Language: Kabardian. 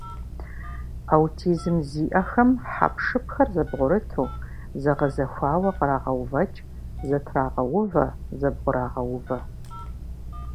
Аутизм зиӀэхэм хьэпшыпхэр зэбгъурыту, зэгъэзэхуауэ кърагъэувэкӀ, зэтрагъэувэ, зэбгъурагъэувэ.